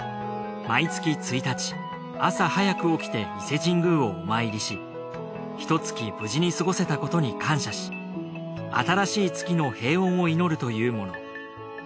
毎月１日朝早く起きて伊勢神宮をお参りしひと月無事に過ごせたことに感謝し新しい月の平穏を祈るというもの。